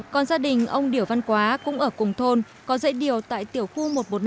còn gia đình ông điểu văn quá cũng ở cùng thôn có dễ điều tại tiểu khu một trăm một mươi năm